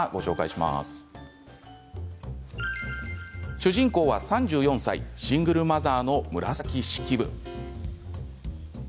主人公は３４歳シングルマザーの紫式部。